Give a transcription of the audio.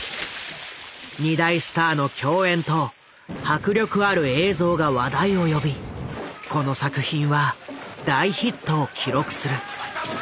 二大スターの競演と迫力ある映像が話題を呼びこの作品は大ヒットを記録する。